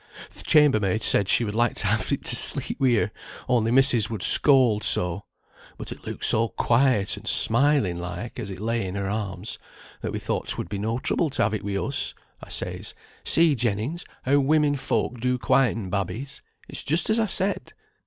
Th' chamber maid said she would like t' have it t' sleep wi' her, only missis would scold so; but it looked so quiet and smiling like, as it lay in her arms, that we thought 'twould be no trouble to have it wi' us. I says: 'See, Jennings, how women folk do quieten babbies; it's just as I said.'